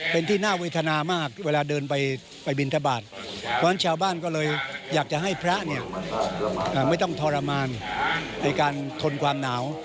เพราะฉะนั้นชาวบ้านก็เลยอยากจะให้พระเนี่ยไม่ต้องทรมานในการทนความหนาว